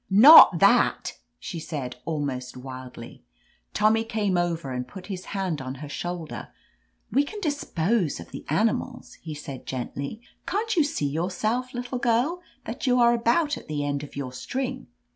"Not thatr she said almost wildly. Tommy came over and put his hand on her shoulder. "We can dispose of the animals," he said gently. "Can't you see yourself, little girl, that you are about at the end of your string?